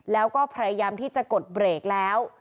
แล้วก็พยายามที่จะกดเบรกแล้ว